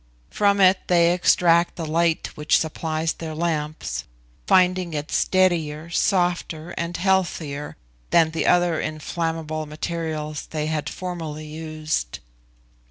From it they extract the light which supplies their lamps, finding it steadier, softer, and healthier than the other inflammable materials they had formerly used.